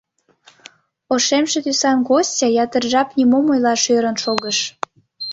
Ошемше тӱсан Костя ятыр жап нимом ойлаш ӧрын шогыш.